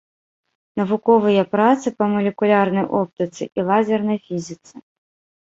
Навуковыя працы па малекулярнай оптыцы і лазернай фізіцы.